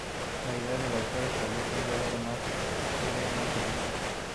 La idea del autor es establecer un diálogo más que una entrevista.